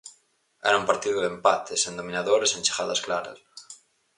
Era un partido de empate, sen dominador e sen chegadas claras.